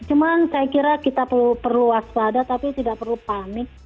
cuman saya kira kita perlu waspada tapi tidak perlu panik